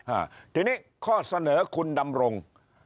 อ่าทีนี้ข้อเสนอคุณดำรง